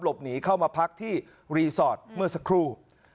หนีเข้ามาพักที่รีสอร์ทเมื่อสักครู่